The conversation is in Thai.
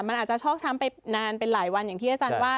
มันอาจจะชอกช้ำไปนานเป็นหลายวันอย่างที่อาจารย์ว่า